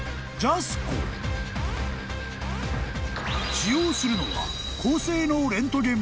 ［使用するのは］